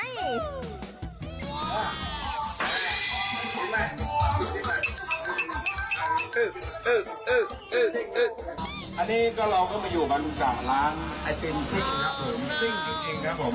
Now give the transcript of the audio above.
อันนี้ก็เราก็มาอยู่กัน๓ร้านไอติมซิ่งครับผมซิ่งจริงครับผม